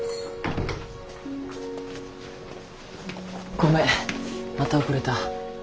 ごめんまた遅れた。